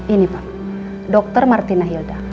ini pak dr martina hilda